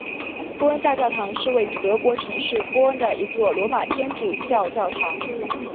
波恩大教堂是位于德国城市波恩的一座罗马天主教教堂。